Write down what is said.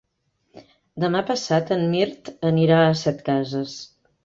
Demà passat en Mirt anirà a Setcases.